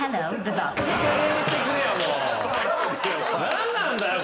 何なんだよ